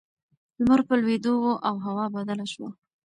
لمر په لوېدو و او هوا بدله شوه.